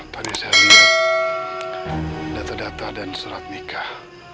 tadi saya lihat data data dan serat nikah